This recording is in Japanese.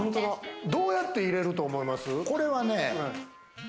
どうやって入れると思います？